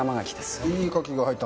いいカキが入ったんだね。